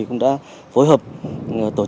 cũng đã phối hợp tổ chức